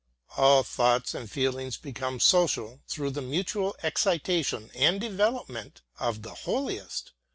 All thoughts and feelings become social through the mutual excitation and development of the holiest.